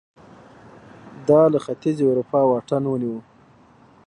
دا له ختیځې اروپا واټن ونیو